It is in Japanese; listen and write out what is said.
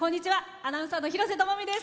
アナウンサーの廣瀬智美です。